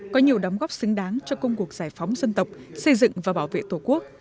có nhiều đóng góp xứng đáng cho công cuộc giải phóng dân tộc xây dựng và bảo vệ tổ quốc